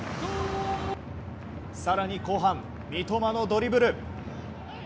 更に後半、三笘のドリブル。